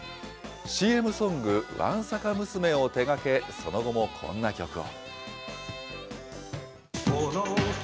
ＣＭソング、ワンサカ娘を手がけ、その後もこんな曲を。